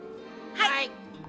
はい。